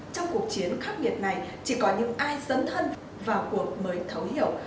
trong cuộc chiến khắc nghiệt này chỉ có những ai dân thân vào cuộc mới thấu hiểu